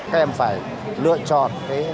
các em phải lựa chọn